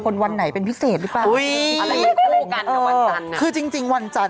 เกิดอะไรพระฤธฐค่ะอ้ะพระฤธฐต้องหาแฟนวันจัน